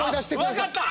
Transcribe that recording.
分かった！